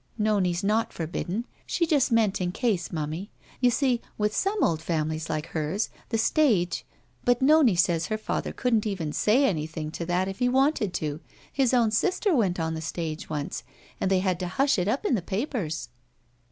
"Nonie's not forbidden. She just meant in case, momie. You see, with some old families like hers — the stage — ^but Nonie says her father couldn't even say anjrthing to that if he wanted to. His own sister went on the stage once, and they had to hush it up in the papers."